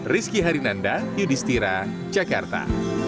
rizky harinanda yudhistira jakarta